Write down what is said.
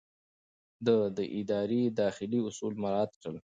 ده د ادارې داخلي اصول مراعات کړل.